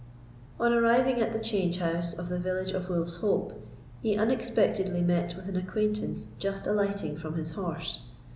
On arriving at the change house of the village of Wolf's Hope, he unexpectedly met with an acquaintance just alighting from his horse.